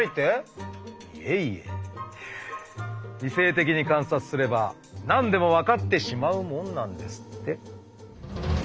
いえいえ理性的に観察すれば何でも分かってしまうもんなんですって。